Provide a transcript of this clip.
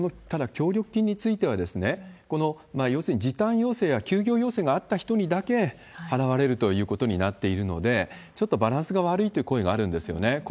ただ、協力金についてはですね、要するに時短要請や休業要請があった人にだけ払われるということになっているので、ちょっとバランスが悪いという声があるんですよね。